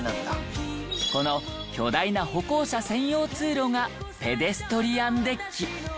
この巨大な歩行者専用通路がペデストリアンデッキ。